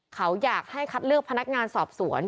เขาอยากให้คัดเลือกพนักงานสอบสวน